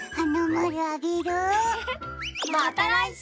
また来週！